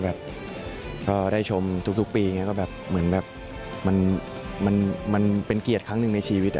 แบบก็ได้ชมทุกปีอย่างนี้ก็แบบเหมือนแบบมันเป็นเกียรติครั้งหนึ่งในชีวิต